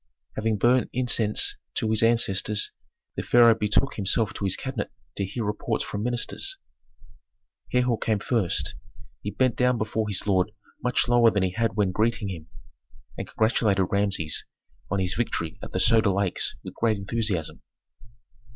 Having burnt incense to his ancestors, the pharaoh betook himself to his cabinet to hear reports from ministers. Herhor came first. He bent down before his lord much lower than he had when greeting him, and congratulated Rameses on his victory at the Soda Lakes with great enthusiasm.